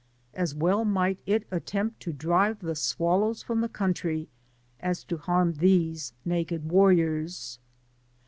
As well might it attempt to drive the swallows from the coitotry, as to harm these naked warriors.